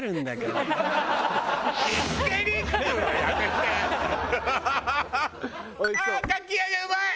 ああーかき揚げうまい！